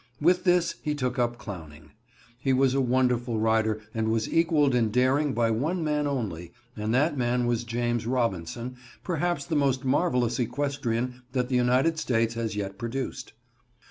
With this he took up clowning. He was a wonderful rider and was equaled in daring by one man only, and that man was James Robinson, perhaps the most marvelous equestrian that the United States has yet produced.